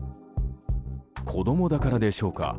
子供だからでしょうか。